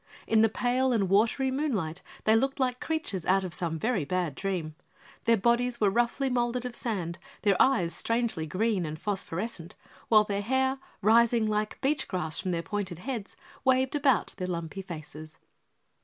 In the pale and watery moonlight they looked like creatures out of some very bad dream. Their bodies were roughly moulded of sand, their eyes strangely green and phosphorescent, while their hair, rising like beach grass from their pointed heads, waved about their lumpy faces.